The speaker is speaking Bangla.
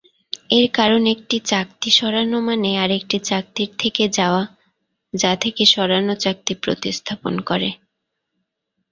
এর কারণ একটি চাকতি সরানো মানে আরেকটি চাকতির থেকে যাওয়া, যা থেকে সরানো চাকতি প্রতিস্থাপন করে।